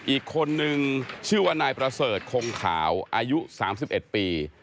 อีกคนนึงชื่อว่านายประเสริฐคงขาวอายุ๓๑ปี